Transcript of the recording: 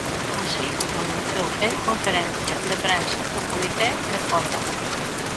Así o anunciou, en conferencia de prensa, o comité de folga.